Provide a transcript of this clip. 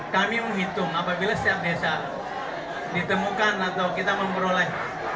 kami menghitung apabila setiap desa ditemukan atau kita memperoleh